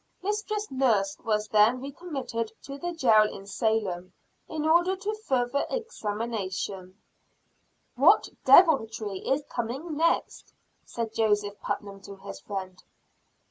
"Mistress Nurse was then recommitted to the jail in Salem, in order to further examination." "What deviltry is coming next?" said Joseph Putnam to his friend.